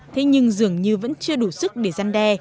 thế nhưng dường như vẫn chưa đủ sức để gian đe